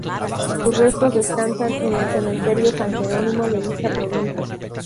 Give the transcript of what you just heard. Sus restos descansan en el Cementerio San Jerónimo de dicha provincia.